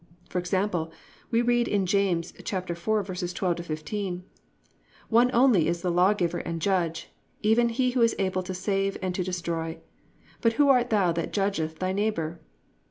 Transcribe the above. For example, we read in Jas. 4:12 15: +"One only is the lawgiver and judge, even he who is able to save and to destroy: But who art thou that judgest thy neighbour?